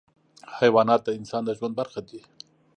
حیوانات د انسان د ژوند برخه دي.